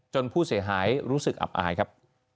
ผู้เสียหายรู้สึกอับอายครับ